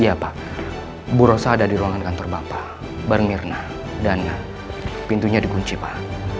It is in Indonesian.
iya pak bu rosa ada di ruangan kantor bapak bermirna dan pintunya dikunci pak